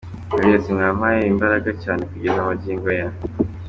Yagize ati “mwampaye imbaraga cyane kugeza magingo aya.